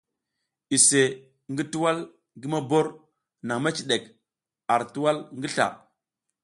Iseʼe ngi tuwal ngi mobor nang mecidek ar tuwal ngi sla.